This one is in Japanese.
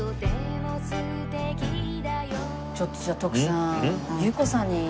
ちょっとじゃあ徳さんゆう子さんに。